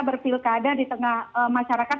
berpilkada di tengah masyarakat